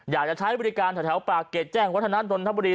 อยากจะใช้บริการแถวปากเกร็ดแจ้งวัฒนนทบุรี